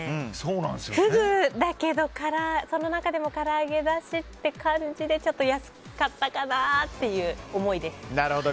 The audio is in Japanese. フグだけどその中でもから揚げだしって感じでちょっと安かったかなっていう思いです。